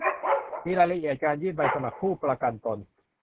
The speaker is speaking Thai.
มีรายละเอียดการยื่นใบสมัครผู้ประกันตน